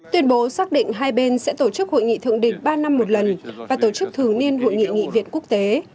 tuyên bố xác định hai bên sẽ tổ chức hội nghị thượng đỉnh ba năm một lần và tổ chức thường niên hội nghị nghị viện quốc tế